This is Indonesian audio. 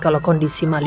tidak ada hadir siapapun